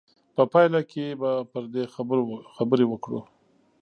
په پایله کې به پر دې خبرې وکړو.